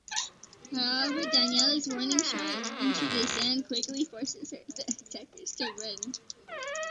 However Danila's warning shot into the sand quickly forces the attackers to run.